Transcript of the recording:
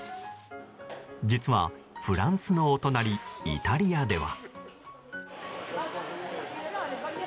実は、フランスのお隣イタリアでは。